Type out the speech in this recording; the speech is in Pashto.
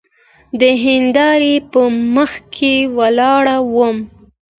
د هندارې په مخکې ولاړ وم.